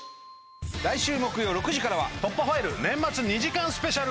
来週木曜６時からは『突破ファイル』年末２時間スペシャル。